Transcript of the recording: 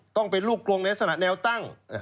ต้องเป็นลูกกลงในสนัดแนวตั้ง